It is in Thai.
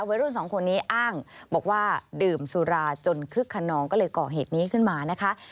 วัยรุ่นสองคนนี้อ้างบอกว่าดื่มสุราจนคึกขนองก็เลยก่อเหตุนี้ขึ้นมานะคะ